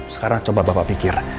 sekarang coba bapak pikir